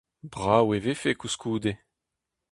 Brav e vefe koulskoude.